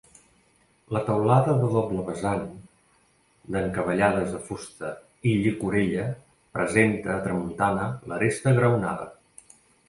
La teulada de doble vessant, d'encavallades de fusta i llicorella presenta a tramuntana l'aresta graonada.